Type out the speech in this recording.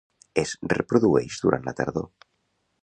Es reprodueix durant la tardor.